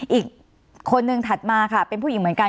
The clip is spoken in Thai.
อีกคนนึงถัดมาค่ะเป็นผู้หญิงเหมือนกัน